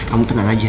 kamu tenang aja